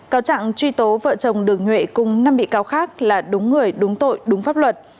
cáo trạng truy tố vợ chồng đường nhuệ cùng năm bị cáo khác là đúng người đúng tội đúng pháp luật